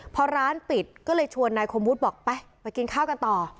พอร้านปิดก็เลยชวนนายคมวุฒิบอกไปไปกินข้าวกันต่อ